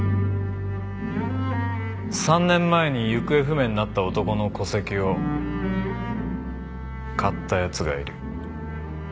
３年前に行方不明になった男の戸籍を買った奴がいる。